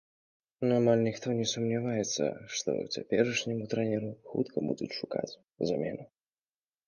Амаль ніхто не сумняваецца, што цяперашняму трэнеру хутка будуць шукаць замену.